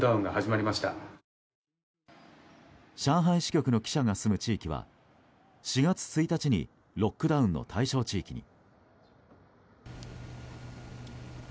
支局の記者が住む地域は４月１日にロックダウンの対象地域に。